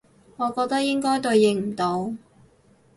我覺得應該對應唔到